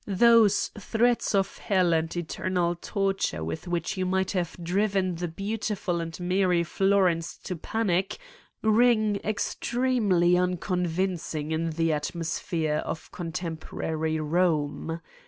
Those threats of hell 258 Satan's Diary and eternal torture with which you might have driven the beautiful and merry Florence to panic ring extremely unconvincing in the atmosphere of contemporary Eome.